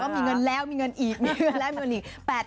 มีเงินแล้วมีเงินอีกมีเงินแล้วมีเงินอีก